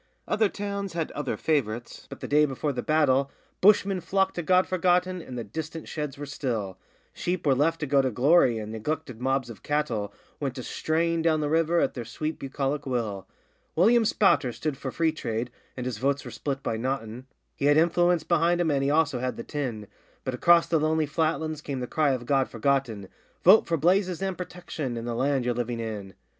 Other towns had other favourites, but the day before the battle Bushmen flocked to God Forgotten, and the distant sheds were still; Sheep were left to go to glory, and neglected mobs of cattle Went a straying down the river at their sweet bucolic will. William Spouter stood for Freetrade (and his votes were split by Nottin), He had influence behind him and he also had the tin, But across the lonely flatlands came the cry of God Forgotten, 'Vote for Blazes and Protection, and the land you're living in!